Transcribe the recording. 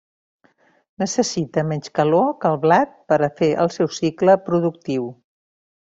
Necessita menys calor que el blat per a fer el seu cicle productiu.